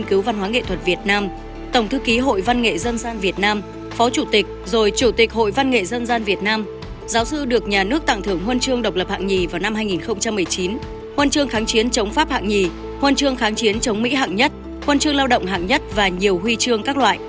giáo sư tô ngọc thanh tổng thư ký hội văn nghệ dân gian việt nam đã cho ra đời rất nhiều ấn tượng với đồng nghiệp học trò và những người yêu thương